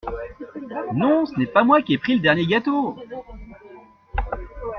Non, ce n'est pas moi qui ai pris le dernier gâteau!